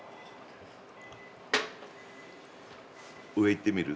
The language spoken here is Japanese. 上行ってみる？